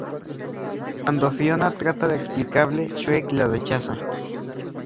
Cuando Fiona trata de explicarle, Shrek la rechaza.